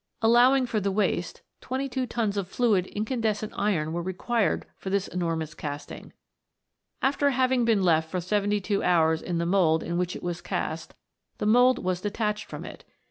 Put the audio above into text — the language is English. Allowing for the waste, twenty two tons of fluid incandescent iron were required for this enormous casting. After having been left for seventy two hours in the mould in which it was cast, the mould was detached from it.